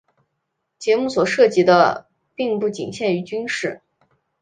节目所涉及的并不仅限于军事。